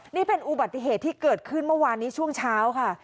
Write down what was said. นี่เป็นอุบัติเหตุที่เกิดขึ้นเมื่อวานนี้ช่วงเช้าค่ะ